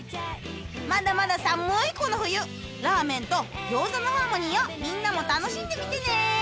まだまだ寒いこの冬ラーメンと餃子のハーモニーをみんなも楽しんでみてね！